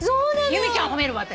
由美ちゃんを褒めるわ私。